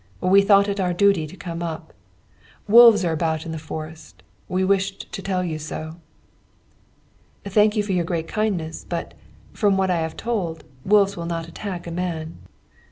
We thought it our duty to come up. Wolves are about in the forest. We wished to tell you so." "I thank you for your great kindness; but, from what I am told, wolves will not attack a man."